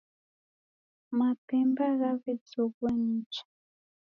Mapemba ghawezoghua nicha